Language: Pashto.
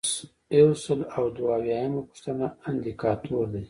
یو سل او دوه اویایمه پوښتنه اندیکاتور دی.